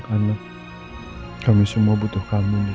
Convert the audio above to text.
dan itu juga pasti akan memberdek kosong adonan ibu andin